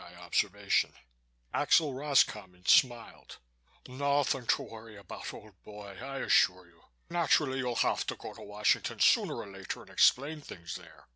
observation." Axel Roscommon smiled. "Nothing to worry about, old boy, I assure you. Naturally you'll have to go to Washington sooner or later and explain things there.